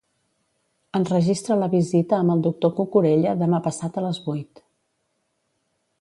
Enregistra la visita amb el doctor Cucurella demà passat a les vuit.